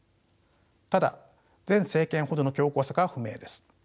ただ前政権ほどの強硬さかは不明です。